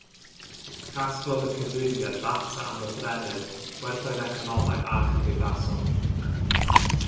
Casglodd y cyfrifiad ddata am lythrennedd, gwerthoedd economaidd a chymdeithasol.